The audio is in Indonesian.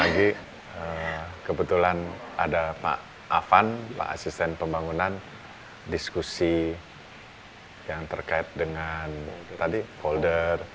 lagi kebetulan ada pak afan pak asisten pembangunan diskusi yang terkait dengan tadi folder